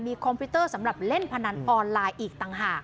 คอมพิวเตอร์สำหรับเล่นพนันออนไลน์อีกต่างหาก